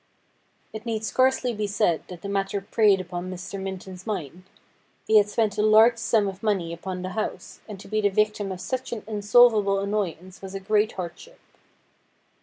It need scarcely be said that the matter preyed upon Mr. Minton's mind. He had spent a large sum of money upon the house, and to be the victim of such an unsolvable annoyance was a great hardship.